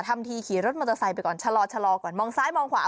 ทำทีขี่รถมอเตอร์ไซค์ไปก่อนชะลอก่อนมองซ้ายมองขวา